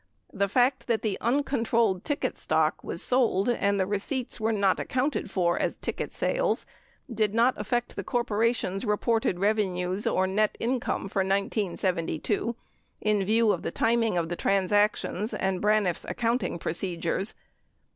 The fact that the un controlled ticket stock was sold and the receipts not accounted for as ticket sales did not affect the corporation's reported revenues or net income for 1972 in view of the timing of the transactions and Braniff's accounting procedures.